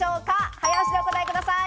早押しでお答えください。